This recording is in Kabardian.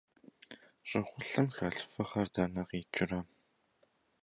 ЩӀыгулъым хэлъ фыгъэр дэнэ къикӀрэ?